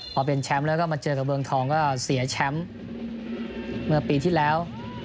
พอเป็นแชมป์แล้วก็มาเจอกับเมืองทองก็เสียแชมป์เมื่อปีที่แล้ว